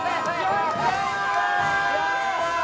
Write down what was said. やったー！